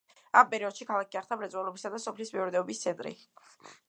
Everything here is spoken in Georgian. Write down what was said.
ამ პერიოდში ქალაქი გახდა მრეწველობისა და სოფლის მეურნეობის ცენტრი.